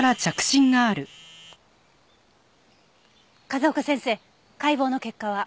風丘先生解剖の結果は？